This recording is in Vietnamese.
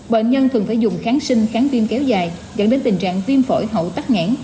bệnh nhân thường phải dùng kháng sinh kháng viêm kéo dài dẫn đến tình trạng viêm phổi hậu tắc nghẽn